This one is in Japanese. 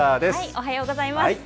おはようございます。